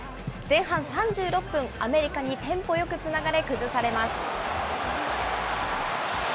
前半３６分、アメリカにテンポよくつながれ崩されます。